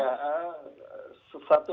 ya satu mungkin ya untuk